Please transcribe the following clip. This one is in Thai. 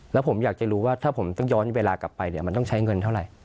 แล้วผมอยากจะรู้ว่าถ้าผมต้องย้อนเวลากลับไปเนี่ยมันต้องใช้เงินเท่าไหร่